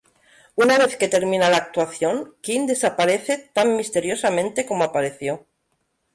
Una vez que termina la actuación Quin desaparece tan misteriosamente como apareció.